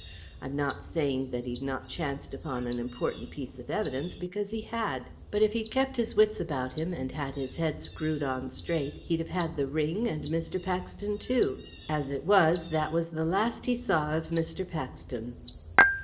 I'm not saying that he'd not chanced upon an important piece of evidence, because he had; but if he'd kept his wits about him, and had his head screwed on straight, he'd have had the ring and Mr. Paxton too. As it was, that was the last he saw of Mr. Paxton."